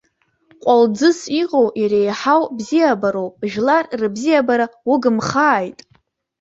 Кәалӡыс иҟоу иреиҳау бзиабароуп, жәлар рыбзиабара угымхааит.